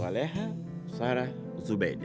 solehah sarah jubeda